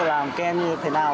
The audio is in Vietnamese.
làm kem như thế nào